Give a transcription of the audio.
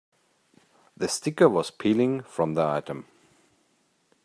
The sticker was peeling from the item.